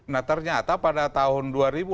nah ternyata pada tahun dua ribu delapan belas